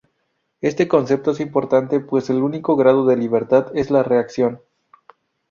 Este concepto es importante pues es el único grado de libertad en la reacción.